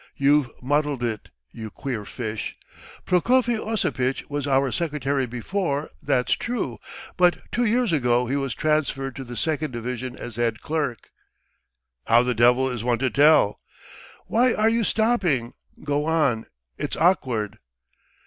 You've muddled it, you queer fish. Prokofy Osipitch was our secretary before, that's true, but two years ago he was transferred to the second division as head clerk." "How the devil is one to tell?" "Why are you stopping? Go on, it's awkward."